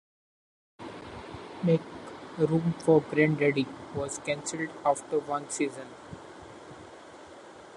"Make Room for Granddaddy" was canceled after one season.